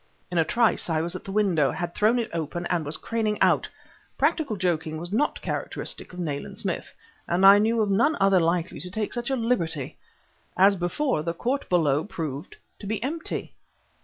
In a trice I was at the window, had thrown it open, and was craning out. Practical joking was not characteristic of Nayland Smith, and I knew of none other likely to take such a liberty. As before, the court below proved to be empty....